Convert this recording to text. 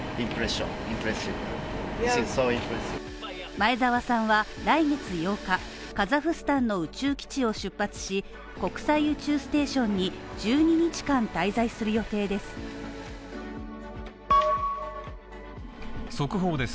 前澤さんは来月８日、カザフスタンの宇宙基地を出発し、国際宇宙ステーションに１２日間滞在する予定です。